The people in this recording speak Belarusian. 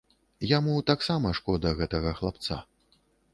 Яму таксама шкода гэтага хлапца.